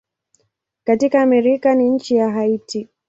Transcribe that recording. Katika Amerika ni nchi ya Haiti.